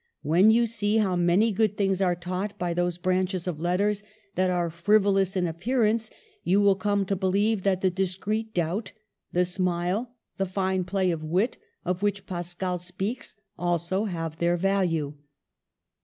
When you see how many good things are taught by those branches of letters that are frivolous in appearance, you will come to believe that the discreet doubt, the smile, the fine play of wit of which Pascal speaks, also have their value.